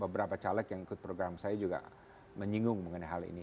beberapa caleg yang ikut program saya juga menyinggung mengenai hal ini